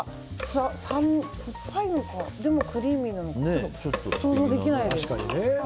酸っぱいのかでもクリーミーなのか想像できないです。